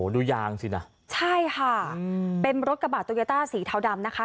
ดูยางสินะใช่ค่ะเป็นรถกระบะโตโยต้าสีเทาดำนะคะ